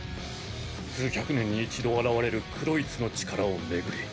数百年に一度現れるクロイツの力を巡り